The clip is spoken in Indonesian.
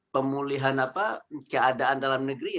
pemulihan keadaan dalam negeri